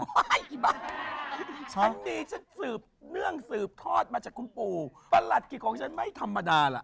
อันนี้ฉันสืบเนื่องสืบทอดมาจากคุณปู่ประหลัดกิจของฉันไม่ธรรมดาล่ะ